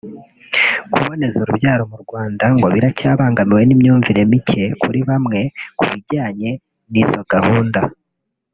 Kuboneza urubyaro mu Rwanda ngo biracyabangamiwe n’imyumvire mike kuri bamwe ku bijyanye n’izo gahunda